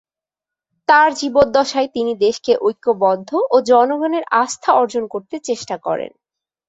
তার জীবদ্দশায় তিনি দেশকে ঐক্যবদ্ধ ও জনগণের আস্থা অর্জন করতে চেষ্টা করেন।